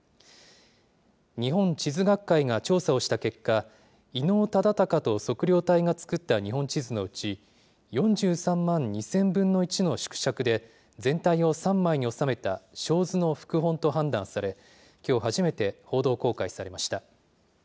日本地図学会が調査をした結果、伊能忠敬と測量隊が作った日本地図のうち、４３万２０００分の１の縮尺で、全体を３枚に収めた小図の副本と判断され、きょう初めて報道公開されました。